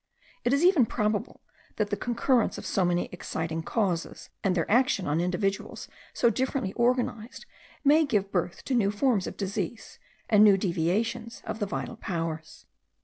It is even probable that the concurrence of so many exciting causes, and their action on individuals so differently organized, may give birth to new forms of disease and new deviations of the vital powers.